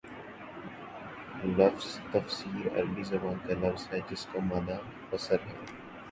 لفظ تفسیر عربی زبان کا لفظ ہے جس کا مادہ فسر ہے